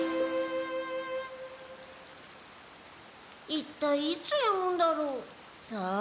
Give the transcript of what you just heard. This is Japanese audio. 一体いつやむんだろう？さあ。